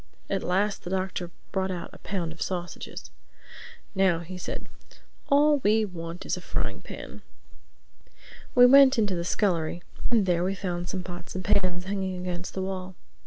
At last the Doctor brought out a pound of sausages. "Now," he said, "all we want is a frying pan." We went into the scullery and there we found some pots and pans hanging against the wall.